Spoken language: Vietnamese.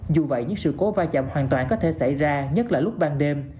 dù vậy những sự cố va chạm hoàn toàn có thể xảy ra nhất là lúc ban đêm